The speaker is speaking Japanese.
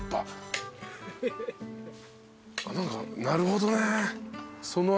なるほどね。